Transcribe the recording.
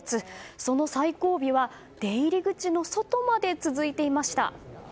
その最後尾は出入り口の外まで続いていました。